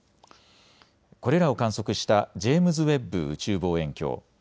これらを観測したジェームズ・ウェッブ宇宙望遠鏡。